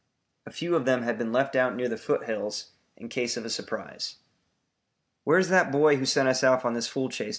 A few of them had been left out near the foothills in case of a surprise. "Where's that boy who sent us off on this fool chase?"